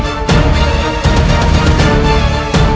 apa yang dilakukan